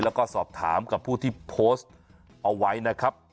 แล้วก็สอบถามกับผู้ที่โพสต์เอาไว้นะครับ